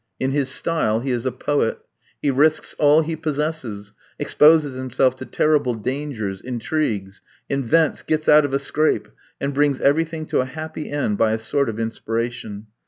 In his style he is a poet. He risks all he possesses, exposes himself to terrible dangers, intrigues, invents, gets out of a scrape, and brings everything to a happy end by a sort of inspiration.